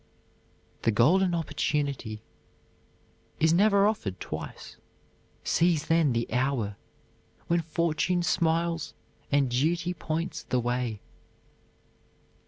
"The golden opportunity Is never offered twice; seize then the hour When Fortune smiles and Duty points the way."